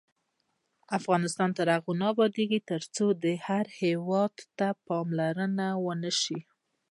افغانستان تر هغو نه ابادیږي، ترڅو هر ولایت ته پاملرنه ونشي.